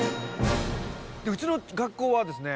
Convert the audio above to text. うちの学校はですね